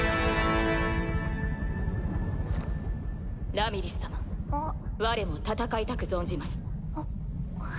ラミリス様われも戦いたく存じます。